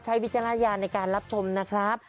วิจารณญาณในการรับชมนะครับ